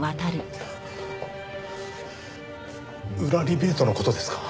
裏リベートの事ですか？